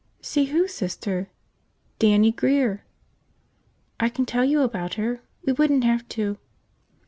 "See who, Sister?" "Dannie Grear." "I can tell you about her. We wouldn't have to